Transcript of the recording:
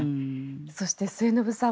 そして、末延さん